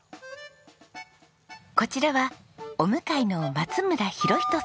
こちらはお向かいの松村博仁さん